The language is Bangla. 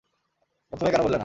প্রথমে কেন বললে না?